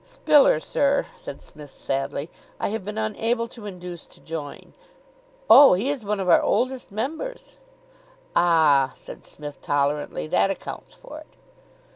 "Spiller, sir," said Psmith sadly, "I have been unable to induce to join." "Oh, he is one of our oldest members." "Ah," said Psmith, tolerantly, "that accounts for it."